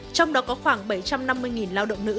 trong đó có khoảng bảy trăm năm mươi lao động nữ